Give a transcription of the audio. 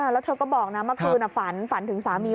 แล้วเธอก็บอกนะเมื่อคืนฝันฝันถึงสามี